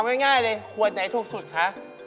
เอาง่ายเลยขวดไหนถูกสุดคะ